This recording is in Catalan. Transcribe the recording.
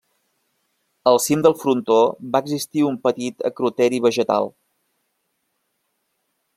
Al cim del frontó va existir un petit acroteri vegetal.